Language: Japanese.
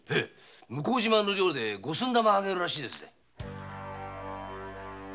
向島の寮で五寸玉を上げるらしいです。